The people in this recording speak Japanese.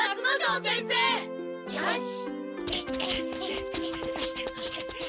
よし。